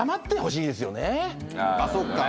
そっか。